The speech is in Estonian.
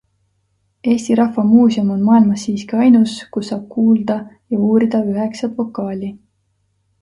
Eesti Rahva Muuseum on maailmas siiski ainus, kus saab kuulda ja uurida üheksat vokaali.